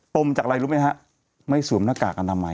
มจากอะไรรู้ไหมฮะไม่สวมหน้ากากอนามัย